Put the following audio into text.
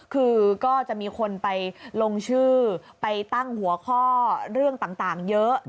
คือก็จะมีคนไปลงชื่อไปตั้งหัวข้อเรื่องต่างเยอะ